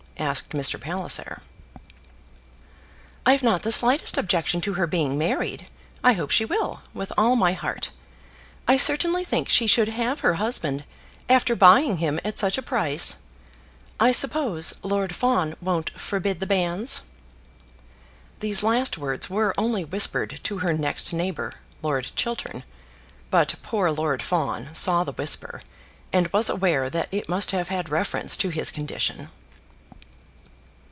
asked Mr. Palliser. "I've not the slightest objection to her being married. I hope she will, with all my heart. I certainly think she should have her husband after buying him at such a price. I suppose Lord Fawn won't forbid the banns." These last words were only whispered to her next neighbour, Lord Chiltern; but poor Lord Fawn saw the whisper, and was aware that it must have had reference to his condition.